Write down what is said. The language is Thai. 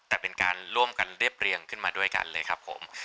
แต่เป็นการร่วมกันเรียบเรียงขึ้นมาด้วยกันเลยครับผม